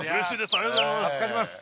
ありがとうございます